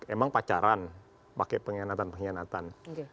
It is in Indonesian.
emang pacaran pakai pengkhianatan pengkhianatan